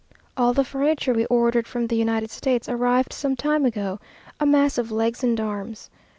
All the furniture we ordered from the United States, arrived some time ago, a mass of legs and arms.